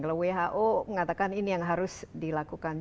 kalau who mengatakan ini yang harus dilakukan